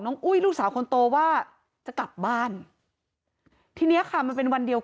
อุ้ยลูกสาวคนโตว่าจะกลับบ้านทีเนี้ยค่ะมันเป็นวันเดียว